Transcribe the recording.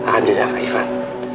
akan jadi anak ivan